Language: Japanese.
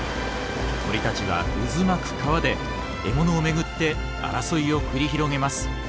鳥たちは渦巻く川で獲物を巡って争いを繰り広げます。